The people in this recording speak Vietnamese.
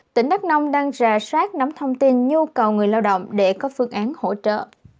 tỉnh đắk nông đang rà soát nắm thông tin nhu cầu người lao động để có phương án hỗ trợ